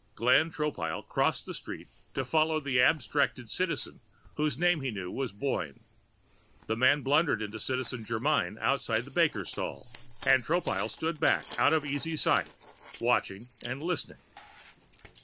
Glenn Tropile crossed the street to follow the abstracted Citizen, whose name, he knew, was Boyne. The man blundered into Citizen Germyn outside the baker's stall, and Tropile stood back out of easy sight, watching and listening.